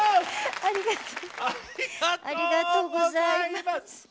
ありがとうございます。